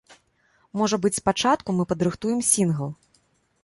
Можа быць, спачатку мы падрыхтуем сінгл.